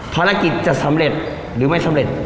ภารกิจจะสำเร็จหรือไม่สำเร็จ